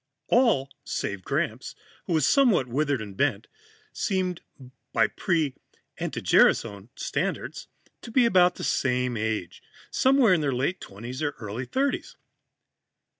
All save Gramps, who was somewhat withered and bent, seemed, by pre anti gerasone standards, to be about the same age somewhere in their late twenties or early thirties.